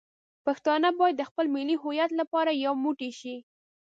پښتانه باید د خپل ملي هویت لپاره یو موټی شي.